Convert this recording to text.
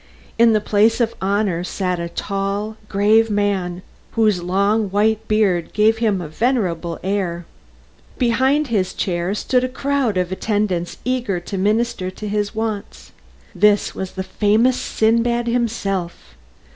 In the place of honour sat a tall, grave man whose long white beard gave him a venerable air. Behind his chair stood a crowd of attendants eager to minister to his wants. This was the famous Sindbad himself.